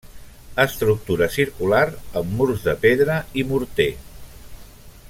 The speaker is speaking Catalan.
Estructura circular amb murs de pedra i morter.